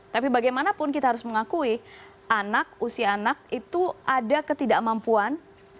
tapi bagaimanapun kita harus mengakui anak usia anak itu ada ketidakmampuan